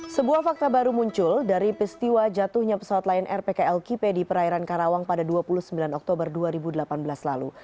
sebuah fakta baru muncul dari peristiwa jatuhnya pesawat lion air pkl kipe di perairan karawang pada dua puluh sembilan oktober dua ribu delapan belas lalu